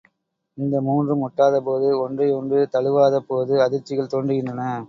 இந்த மூன்றும் ஒட்டாதபோது ஒன்றை ஒன்று தழுவாத போது அதிர்ச்சிகள் தோன்றுகின்றன.